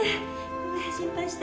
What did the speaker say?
ごめん心配した？